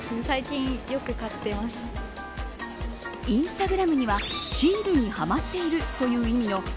インスタグラムにはシールにはまっているという意味の＃